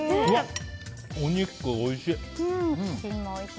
お肉、おいしい！